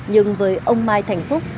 nhưng với ông mai thành phúc